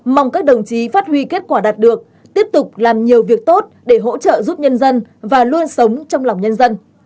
mong các đồng chí phát huy kết quả đạt được tiếp tục làm nhiều việc tốt để hỗ trợ giúp nhân dân và luôn sống trong lòng nhân dân